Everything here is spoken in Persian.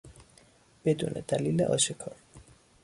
بدون دلیل آشکار